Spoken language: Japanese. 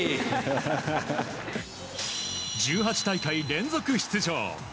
１８大会連続出場